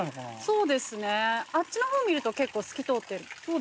あっちの方見ると結構透き通ってる。